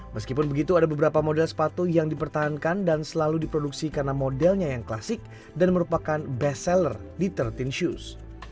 meskipun begitu ada beberapa model sepatu yang dipertahankan dan selalu diproduksi karena modelnya yang klasik dan merupakan best seller di tiga belas shoes